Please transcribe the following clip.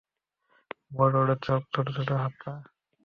বড় বড় চোখ, ছোট ছোট হাত-পা।